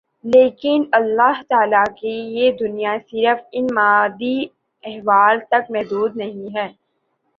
لیکن اللہ تعالیٰ کی یہ دنیا صرف ان مادی احوال تک محدود نہیں ہے